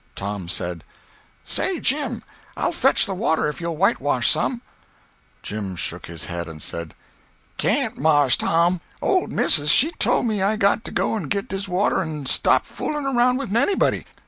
Tom said: "Say, Jim, I'll fetch the water if you'll whitewash some." Jim shook his head and said: "Can't, Mars Tom. Ole missis, she tole me I got to go an' git dis water an' not stop foolin' roun' wid anybody.